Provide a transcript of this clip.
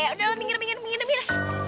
udah pinggir pinggir